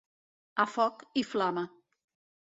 A foc i flama.